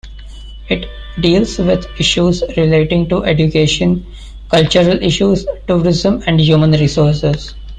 It deals with issues relating to education, cultural issues, tourism and human resources.